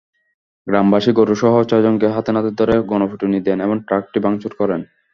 গ্রামবাসী গরুসহ ছয়জনকে হাতেনাতে ধরে গণপিটুনি দেন এবং ট্রাকটি ভাঙচুর করেন।